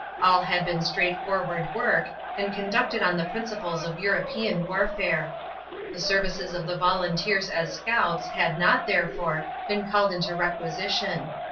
All had been straightforward work and conducted on the principles of European warfare. The services of the volunteers as scouts had not, therefore, been called into requisition.